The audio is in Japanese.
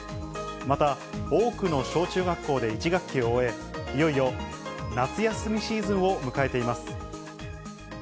また、多くの小中学校で１学期を終え、いよいよ夏休みシーズンを迎えています。